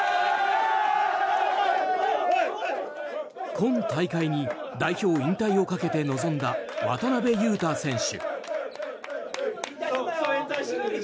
今大会に代表引退をかけて臨んだ渡邊雄太選手。